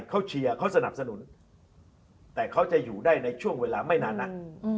เขาเชียร์เขาสนับสนุนแต่เขาจะอยู่ได้ในช่วงเวลาไม่นานนัก